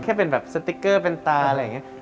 แค่เป็นแบบสติ๊กเกอร์เป็นตาอะไรอย่างนี้